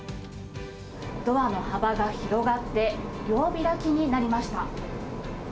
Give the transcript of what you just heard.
ドアの幅が広がって、両開きになりました。